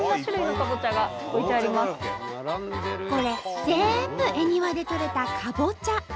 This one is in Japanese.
これ全部恵庭でとれたかぼちゃ！